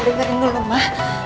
ma dengerin dulu ma